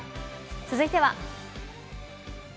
続いては。